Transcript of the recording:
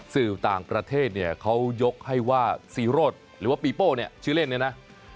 สื่อต่างประเทศเนี่ยเขายกให้ว่าซีโรธหรือว่าปีโป้เนี่ยชื่อเล่นเนี่ยนะ